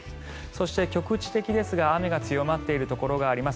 そして、局地的ですが雨が強まっているところがあります。